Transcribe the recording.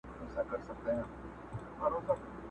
د بوډا مخي ته دي ناست څو ماشومان د کلي!!